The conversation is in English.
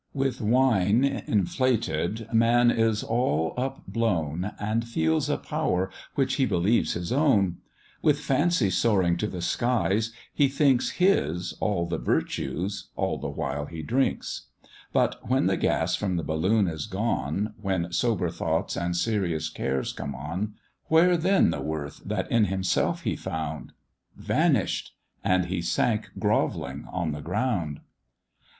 With wine inflated, man is all upblown, And feels a power which he believes his own; With fancy soaring to the skies, he thinks His all the virtues all the while he drinks; But when the gas from the balloon is gone, When sober thoughts and serious cares come on, Where then the worth that in himself he found? Vanish'd and he sank grov'lling on the ground.